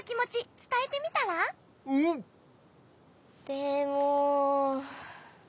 でも。